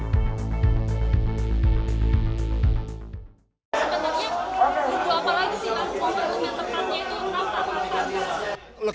kalau menunggu yang tepatnya itu kenapa